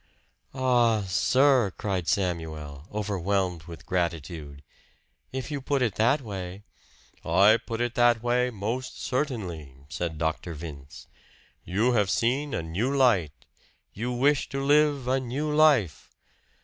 "Ah, sir!" cried Samuel, overwhelmed with gratitude "if you put it that way " "I put it that way most certainly," said Dr. Vince. "You have seen a new light you wish to live a new life.